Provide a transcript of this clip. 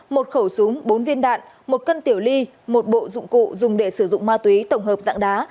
một khẩu súng bốn viên đạn một cân tiểu ly một bộ dụng cụ dùng để sử dụng ma túy tổng hợp dạng đá